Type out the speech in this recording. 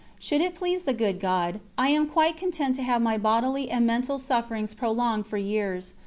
Should it please the Good God, I am quite content to have my bodily and mental sufferings prolonged for years.